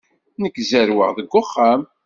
Nekk zerrweɣ deg uxxam.